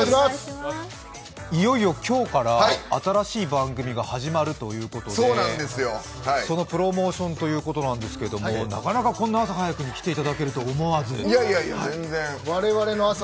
いよいよ今日から新しい番組が始まるということで、そのプロモーションということなんですけどなかなかこんな朝早く来ていただけるとは思わず。